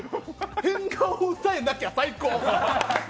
変顔さえなきゃ、最高。